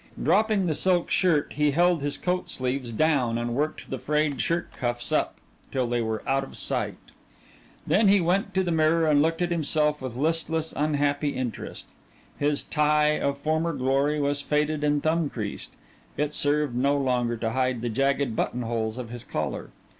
Dropping the silk shirt, he held his coat sleeves down and worked the frayed shirt cuffs up till they were out of sight. Then he went to the mirror and looked at himself with listless, unhappy interest. His tie, of former glory, was faded and thumb creased it served no longer to hide the jagged buttonholes of his collar.